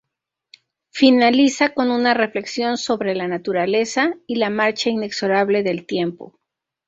Finaliza con una reflexión sobre la naturaleza y la marcha inexorable del tiempo.